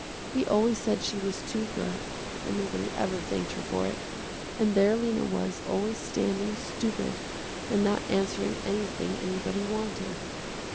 He always said she was too good, and nobody ever thanked her for it, and there Lena was always standing stupid and not answering anything anybody wanted.